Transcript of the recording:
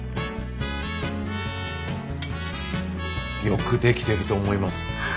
よく出来てると思います。